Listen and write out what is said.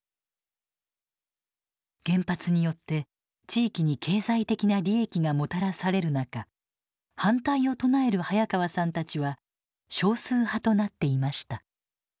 原発によって地域に経済的な利益がもたらされる中反対を唱える早川さんたちは少数派となっていました。